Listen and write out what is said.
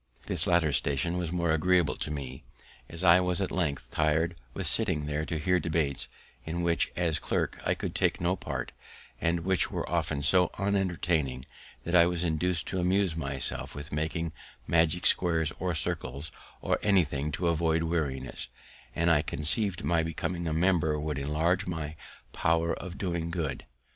This latter station was the more agreeable to me, as I was at length tired with sitting there to hear debates, in which, as clerk, I could take no part, and which were often so unentertaining that I was induc'd to amuse myself with making magic squares or circles, or anything to avoid weariness; and I conceiv'd my becoming a member would enlarge my power of doing good.